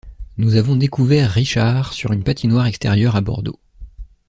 Nous avons découvert Richard sur une patinoire extérieure à Bordeaux.